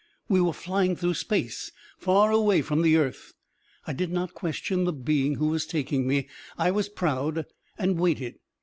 We were flying through space far away from the earth. I did not question the being who was taking me; I was proud and waited.